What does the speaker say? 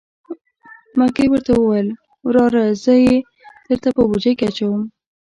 مکۍ ورته وویل: وراره زه یې درته په بوجۍ کې اچوم.